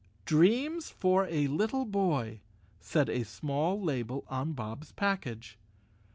"Dreams for a little boy," said a small label on Bob's package.